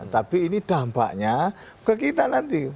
tapi ini dampaknya ke kita nanti